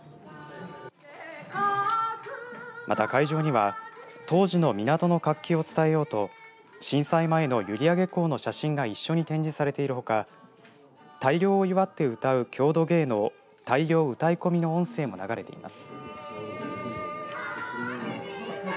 また、会場には当時の港の活気を伝えようと震災前の閖上港の写真が一緒に展示されているほか大漁を祝ってうたう郷土芸能大漁唄い込みの音声も流れています。